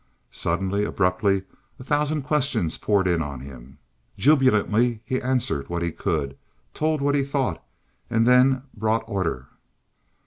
Suddenly, abruptly, a thousand questions poured in on him. Jubilantly he answered what he could, told what he thought and then brought order.